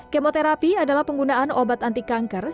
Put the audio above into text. kemoterapi adalah penggunaan obat anti kanker